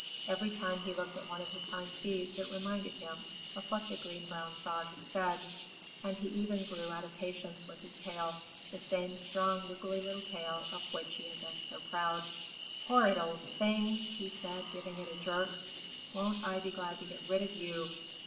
Every time he looked at one of his hindfeet it reminded him of what the Green Brown Frog had said, and he even grew out of patience with his tail the same strong wiggly little tail of which he had been so proud. "Horrid old thing!" he said, giving it a jerk. "Won't I be glad to get rid of you?"